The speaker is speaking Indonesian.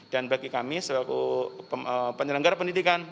dan bagi kami sebagai penyelenggara pendidikan